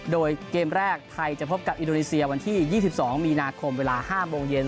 โดยเกมแรกไทยจะพบกับอินโดนีเซียวันที่๒๒มีนาคมเวลา๕โมงเย็น